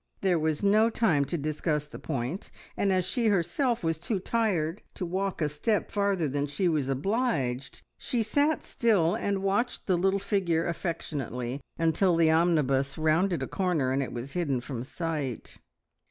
There was no time to discuss the point, and as she herself was too tired to walk a step farther than she was obliged, she sat still and watched the little figure affectionately until the omnibus rounded a corner and it was hidden from sight.